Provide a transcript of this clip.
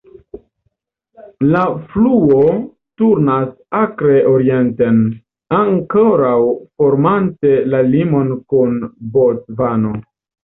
La fluo turnas akre orienten, ankoraŭ formante la limon kun Bocvano.